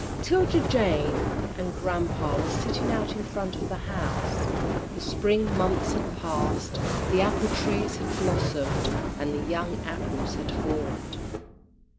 'Tilda Jane and grampa were sitting out in front of the house. The spring months had passed, the apple trees had blossomed, and the young apples had formed.